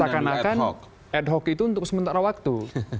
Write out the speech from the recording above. seakan akan ad hoc itu untuk sementara waktu